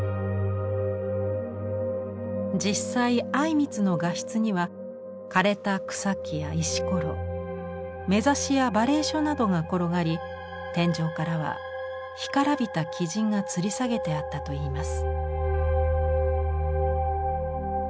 実際靉光の画室には枯れた草木や石ころ目刺しや馬鈴薯などが転がり天上からは干からびた雉がつり下げてあったといいます。